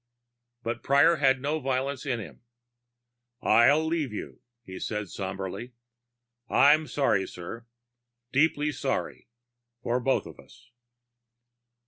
But Prior had no violence in him. "I'll leave you," he said somberly. "I'm sorry, sir. Deeply sorry. For both of us."